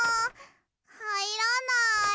はいらない。